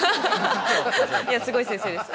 いやすごい先生です。